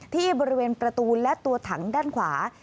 ที่บริเวณประตูและตัวถังด้านขวา